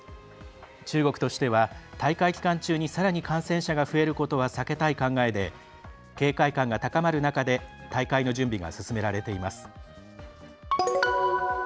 中国としては、大会期間中にさらに感染者が増えることは避けたい考えで警戒感が高まる中で大会の準備が進められています。